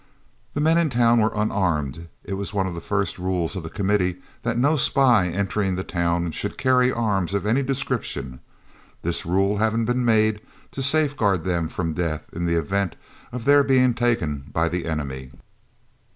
The men in town were unarmed. It was one of the first rules of the Committee that no spy entering the town should carry arms of any description, this rule having been made to safeguard them from death in the event of their being taken by the enemy.